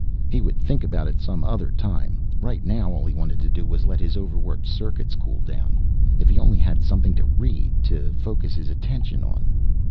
He would think about it some other time, right now all he wanted to do was let his overworked circuits cool down, if he only had something to read, to focus his attention on.